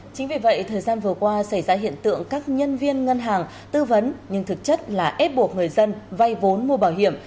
chính vì vậy thời gian vừa qua xảy ra hiện tượng các nhân viên ngân hàng tư vấn nhưng thực chất là ép buộc người dân vay vốn mua bảo hiểm